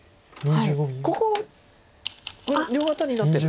ここ両アタリになってる。